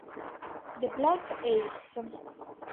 The Black Ace